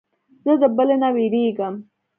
زه د بلې نه وېرېږم.